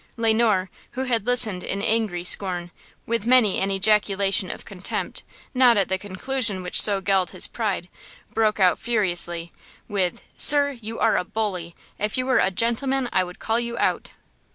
Le Noir, who had listened in angry scorn, with many an ejaculation of contempt, not at the conclusion which so galled his pride, broke out furiously, with: "Sir, you are a bully! If you were a gentleman I would call you out!"